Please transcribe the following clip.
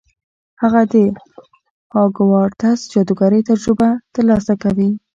هغه د هاګوارتس جادوګرۍ تجربه ترلاسه کوي.